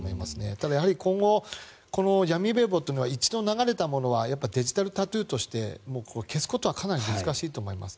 ただやはり今後、闇名簿というのは一度流れたものはデジタルタトゥーとして消すことはかなり難しいと思います。